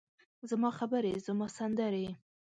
زما خبرې، زما سندرې،